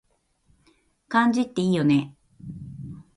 漢字っていいよね